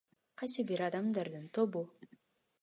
Кайсы бир адамдардын тобу.